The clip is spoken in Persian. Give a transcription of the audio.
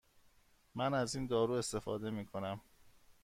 من از این دارو استفاده می کنم.